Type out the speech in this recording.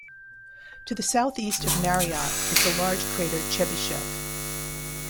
To the southeast of Mariotte is the large crater Chebyshev.